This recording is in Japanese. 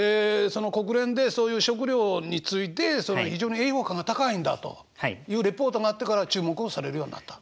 その国連でそういう食料について非常に栄養価が高いんだというレポートがあってから注目をされるようになった？